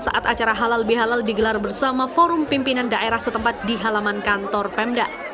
saat acara halal bihalal digelar bersama forum pimpinan daerah setempat di halaman kantor pemda